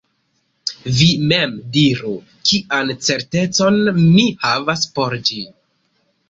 Vi mem diru: kian certecon mi havas por ĝi?